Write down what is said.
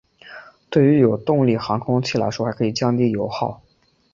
对于有动力航空器来说还可降低油耗。